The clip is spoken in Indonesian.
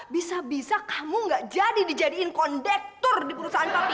bisa bisa kamu nggak jadi dijadiin kondektur di perusahaan papi